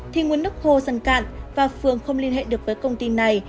thì nguồn nước khô dần cạn và phường không liên hệ được với công ty này